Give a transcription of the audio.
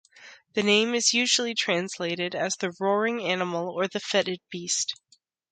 The name is usually translated as "the roaring animal" or "the fetid beast".